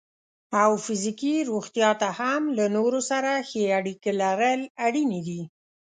او فزیکي روغتیا ته هم له نورو سره ښې اړیکې لرل اړینې دي.